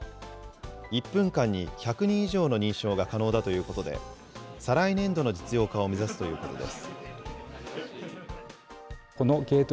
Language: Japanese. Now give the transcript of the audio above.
１分間に１００人以上の認証が可能だということで、再来年度の実用化を目指すということです。